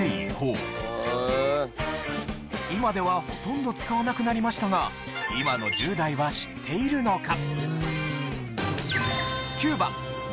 今ではほとんど使わなくなりましたが今の１０代は知っているのか？